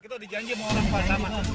kita dijanji mau orang pasangan